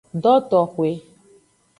Dotoxwe.